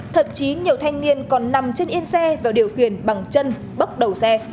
thậm chí nhiều thanh niên còn nằm trên yên xe và điều khiển bằng chân bốc đầu xe